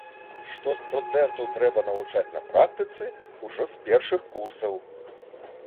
Што студэнтаў трэба навучаць на практыцы ўжо з першых курсаў.